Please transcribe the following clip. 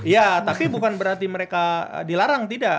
ya tapi bukan berarti mereka dilarang tidak